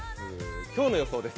今日の予想です。